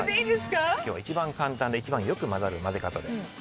今日は一番簡単で一番よく交ざる交ぜ方で。